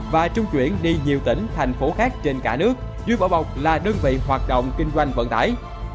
và trung chuyển đi nhiều tỉnh thành phố khác trên cả nước dưới bỏ bọc là đơn vị hoạt động kinh doanh vận tải